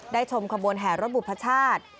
ชมขบวนแห่รถบุพชาติ